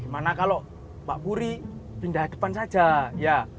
gimana kalo mbak puri pindah depan saja ya